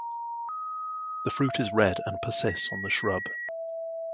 The fruit is red and persists on the shrub.